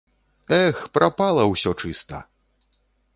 Эх, прапала ўсё чыста!